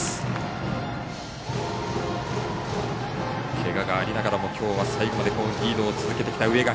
けががありながらもきょうは最後まで好リードを続けてきた植垣。